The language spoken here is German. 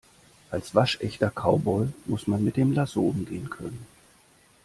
Als waschechter Cowboy muss man mit dem Lasso umgehen können.